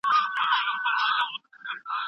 سياسي ډلو د حکومت پر کارونو نيوکي کولې.